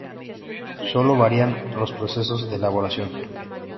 Sólo varían los procesos de elaboración.